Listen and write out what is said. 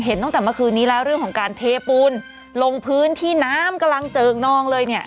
ตั้งแต่เมื่อคืนนี้แล้วเรื่องของการเทปูนลงพื้นที่น้ำกำลังเจิงนองเลยเนี่ย